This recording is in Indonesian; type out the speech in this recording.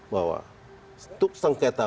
bahwa stuk sengketa